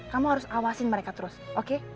kamu harus awasin mereka terus oke